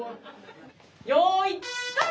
よいスタート！